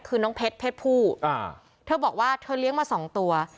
คือน้องเพชรเพชรผู้อ่าเธอบอกว่าเธอเลี้ยงมาสองตัว